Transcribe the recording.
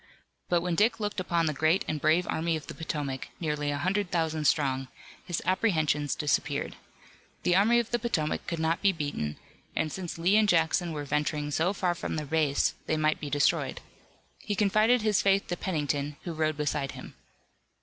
But when Dick looked upon the great and brave Army of the Potomac, nearly a hundred thousand strong, his apprehensions disappeared. The Army of the Potomac could not be beaten, and since Lee and Jackson were venturing so far from their base, they might be destroyed. He confided his faith to Pennington who rode beside him.